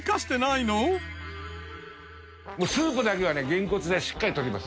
スープだけはねげんこつでしっかりとります。